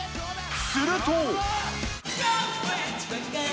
すると。